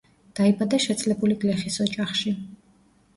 დაიბადა შეძლებული გლეხის ოჯახში.